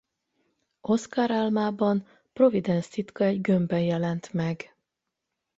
Oscar álmában Providence titka egy gömbben jelent meg.